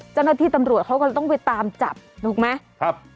จนที่ตำรวจเขาก็ต้องไปตามจับรู้ไหมครับ